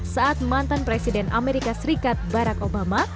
saat mantan presiden amerika serikat barack obama